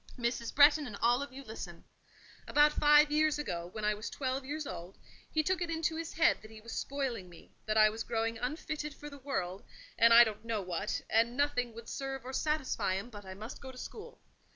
Mrs. Bretton and all of you listen: About five years ago, when I was twelve years old, he took it into his head that he was spoiling me; that I was growing unfitted for the world, and I don't know what, and nothing would serve or satisfy him, but I must go to school.